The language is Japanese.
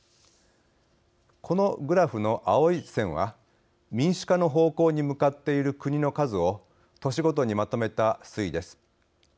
このグラフの青い線は民主化の方向に向かっている国の数を年ごとにまとめた推移です。